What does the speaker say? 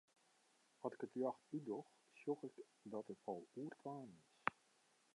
At ik it ljocht útdoch, sjoch ik dat it al oer twaen is.